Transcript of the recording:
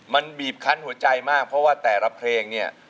มันบีบคันหัวใจมากเพราะว่าแต่ละเพลงเนี่ย